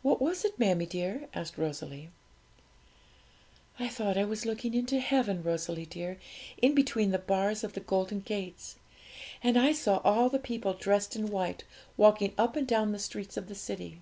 'What was it, mammie dear?' asked Rosalie. 'I thought I was looking into heaven, Rosalie dear, in between the bars of the golden gates; and I saw all the people dressed in white walking up and down the streets of the city.